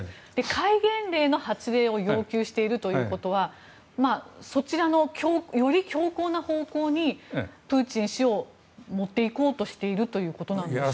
戒厳令の発令を要求しているということはそちらのより強硬な方向にプーチン氏を持っていこうとしているということでしょうか。